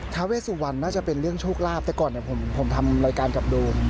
เวสุวรรณน่าจะเป็นเรื่องโชคลาภแต่ก่อนผมทำรายการกับโดม